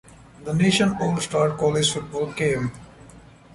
The Nation all star college football game.